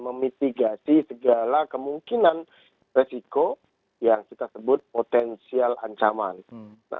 memitigasi segala kemungkinan resiko yang kita sebut potensial ancaman